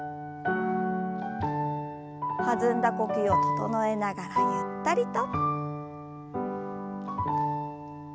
弾んだ呼吸を整えながらゆったりと。